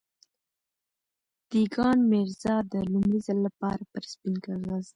دېګان ميرزا د لومړي ځل لپاره پر سپين کاغذ.